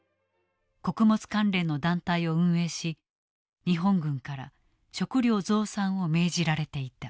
穀物関連の団体を運営し日本軍から食料増産を命じられていた。